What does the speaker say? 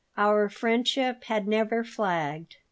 Our friendship had never flagged.